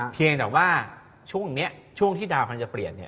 เพียงแต่ว่าช่วงที่ดาวคันจะเปลี่ยน